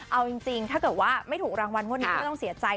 เอาจริงถ้าเกิดว่าไม่ถูกรางวัลงวดนี้ก็ไม่ต้องเสียใจ